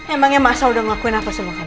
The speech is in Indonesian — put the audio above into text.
emangnya masa udah ngelakuin apa semua kamu